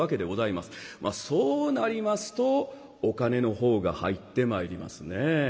まあそうなりますとお金の方が入ってまいりますねえ。